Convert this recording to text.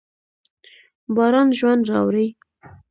باران ژوند راوړي.